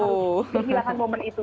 di hilangkan momen itu